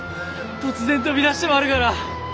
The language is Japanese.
突然飛び出してまるがら。